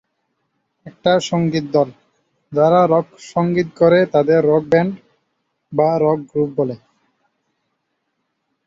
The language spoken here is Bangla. একটা সংগীত দল যারা রক সংগীত করে তাদের রক ব্যান্ড বা রক গ্রুপ বলে।